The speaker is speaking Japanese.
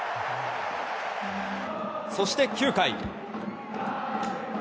そして９回。